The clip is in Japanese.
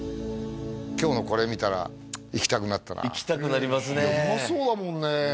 今日のこれ見たら行きたくなったな行きたくなりますねうまそうだもんね